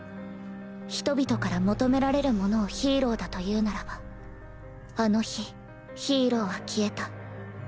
人々から求められる者をヒーローだと言うならばあの日ヒーローは消えた。